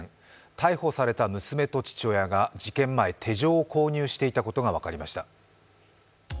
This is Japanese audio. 逮捕された娘と父親が事件前、手錠を購入していたことが分かりました。